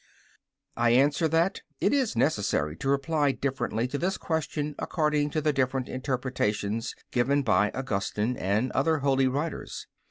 I answer that, It is necessary to reply differently to this question according to the different interpretations given by Augustine and other holy writers.